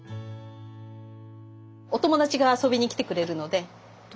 お友達が遊びに来てくれるので。